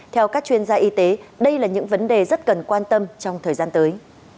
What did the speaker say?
theo các chuyên gia y tế đây là những vấn đề rất cần quan tâm trong thời gian tới